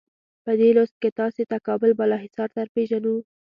په دې لوست کې تاسې ته کابل بالا حصار درپېژنو.